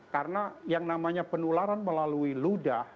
karena yang namanya penularan melalui ludah